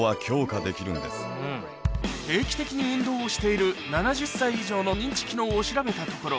定期的に運動をしている７０歳以上の認知機能を調べたところ